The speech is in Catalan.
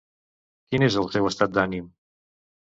Quin és el seu estat d'ànim?